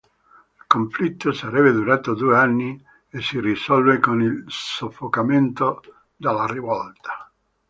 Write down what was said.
Il conflitto sarebbe durato due anni e si risolse con il soffocamento della rivolta.